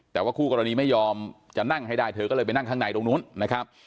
แต่ว่าคู่กรณีไม่ยอมจะนั่งให้ได้เธอก็เลยไปนั่งข้างในตรงนู้นนะครับ